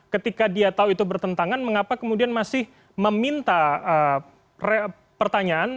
ketika dia tahu itu bertentangan mengapa kemudian masih meminta pertanyaan